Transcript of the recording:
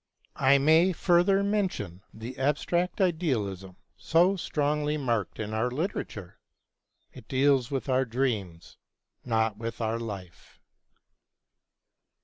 I may further mention the abstract idealism so strongly marked in our literature. It deals with our dreams, not with our life....